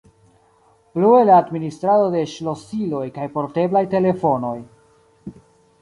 Plue la administrado de ŝlosiloj kaj porteblaj telefonoj.